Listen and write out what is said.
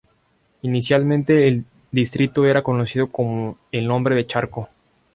Inicialmente el distrito era conocido con el nombre de "Charco".